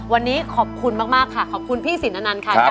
วันนี้ขอบคุณมากค่ะขอบคุณพี่สินอนันต์ค่ะ